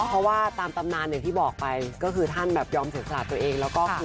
เพราะว่าตามตัวการ์มที่บอกไปก็คือทานยอมเสริฟสละตัวเอง